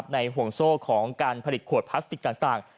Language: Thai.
ห่วงโซ่ของการผลิตขวดพลาสติกต่าง